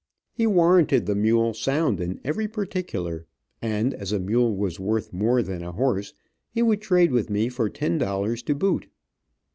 He warranted the mule sound in every particular, and as a mule was worth more than a horse he would trade with me for ten dollars to boot.